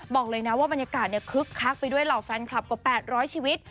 บอกเลยนะว่าบรรยากาศคึกคักไปด้วยเหล่าแฟนคลับกว่า๘๐๐ชีวิต